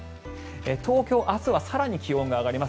東京、明日は更に気温が上がります。